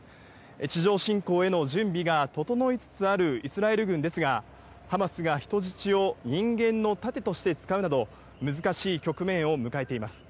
地上侵攻への準備が整いつつあるイスラエル軍ですが、ハマスが人質を人間の盾として使うなど、難しい局面を迎えています。